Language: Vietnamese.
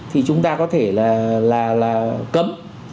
thì chúng ta có thể là là là cấm